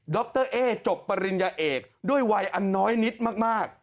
รเอ๊จบปริญญาเอกด้วยวัยอันน้อยนิดมาก